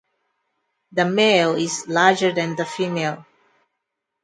The male is larger than the female.